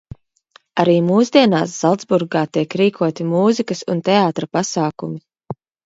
Arī mūsdienās Zalcburgā tiek rīkoti mūzikas un teātra pasākumi.